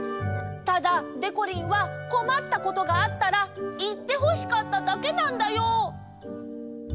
ただでこりんはこまったことがあったらいってほしかっただけなんだよ。